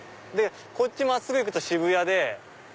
こっち真っすぐ行くと渋谷で。